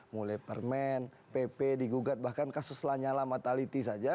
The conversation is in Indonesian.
mulai permen pp digugat bahkan kasus lanyala mataliti saja